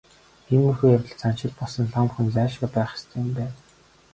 Иймэрхүү явдалд заншил болсон лам хүн зайлшгүй байх ёстой юм байна.